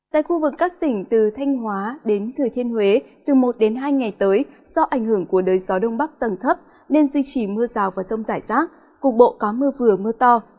tại khu vực các tỉnh từ thanh hóa đến thừa thiên huế từ một đến hai ngày tới do ảnh hưởng của đới gió đông bắc tầng thấp nên duy trì mưa rào và rông rải rác cục bộ có mưa vừa mưa to